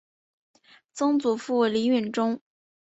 曾祖父李允中。